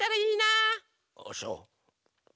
ああそう。